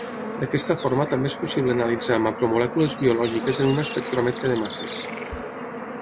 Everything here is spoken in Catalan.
D'aquesta forma també és possible analitzar macromolècules biològiques en un espectròmetre de masses.